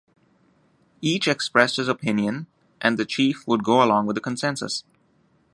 Each expressed his opinion, and the chief would go along with the consensus.